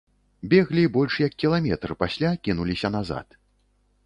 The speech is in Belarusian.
Беглі больш як кіламетр, пасля кінуліся назад.